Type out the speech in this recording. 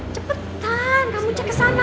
cepetan kamu cek kesana